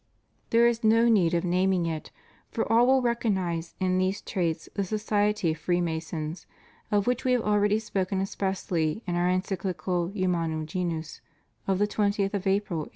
There is no need of naming it, for all will recognize in these traits the society of Freemasons, of which We have already spoken, expressly in Our Encyclical Humanum Genus of the twentieth of April, 1884.